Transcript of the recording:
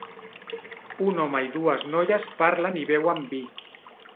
Un home i dues noies parlen i beuen vi.